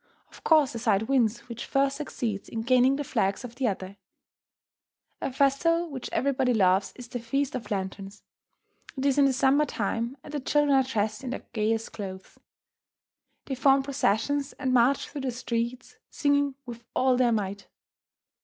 Of course the side wins which first succeeds in gaining the flags of the other. A festival which everybody loves is the Feast of Lanterns. It is in the summer time, and the children are dressed in their gayest clothes. They form processions and march through the streets singing with all their might.